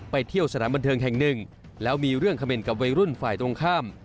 เที่ยวสถานบันเทิงแห่งหนึ่งแล้วมีเรื่องเขม่นกับวัยรุ่นฝ่ายตรงข้าม